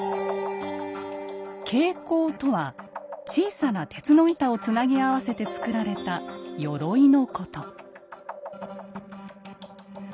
「挂甲」とは小さな鉄の板をつなぎ合わせて作られたよろいのこと。